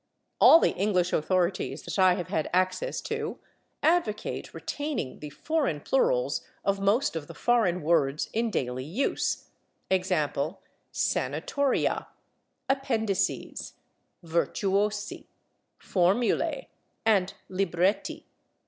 All the English authorities that I have had access to advocate retaining the foreign plurals of most of the foreign words in daily use, /e. g./, /sanatoria/, /appendices/, /virtuosi/, /formulae/ and /libretti